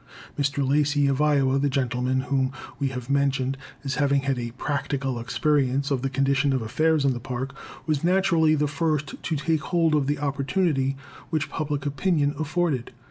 Mr. Lacey, of Iowa, the gentleman whom we have mentioned as having had a practical experience of the condition of affairs in the Park, was naturally the first to take hold of the opportunity which public opinion afforded.